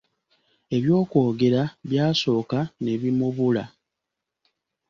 Eby'okwogera byasooka ne bimubula.